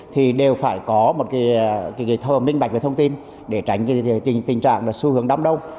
thì đều phải có một cái cái thơ minh bạch về thông tin để tránh cái tình trạng là xu hướng đắm đông